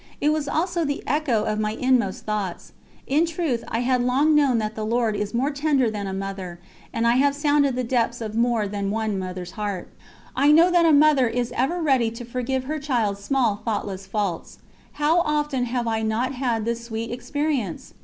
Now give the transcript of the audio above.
It was also the echo of my inmost thoughts. In truth I had long known that the Lord is more tender than a mother, and I have sounded the depths of more than one mother's heart. I know that a mother is ever ready to forgive her child's small thoughtless faults. How often have I not had this sweet experience!